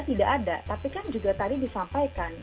tidak ada tapi kan juga tadi disampaikan